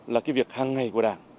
là cái việc hàng ngày của đảng